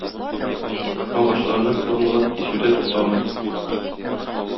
Агачларны формалап кисү дә туктамый.